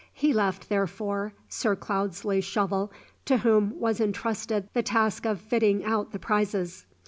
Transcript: He left, therefore, Sir Cloudesley Shovel, to whom was entrusted the task of fitting out the prizes.